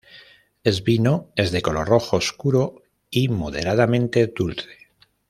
Es vino es de color rojo oscuro y moderadamente dulce.